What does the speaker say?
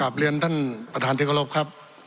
กลับเรียนท่านประธานธิกรพครับ